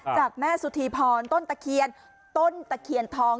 จากแม่สุธีพรต้นตะเคียนต้นตะเคียนทอง